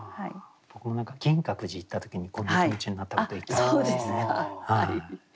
僕も何か銀閣寺行った時にこんな気持ちになったことありますね。